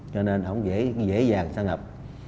cho nên nó cũng dễ dàng xâm nhập